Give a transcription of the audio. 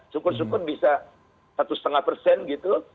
sukun sukun bisa satu setengah persen gitu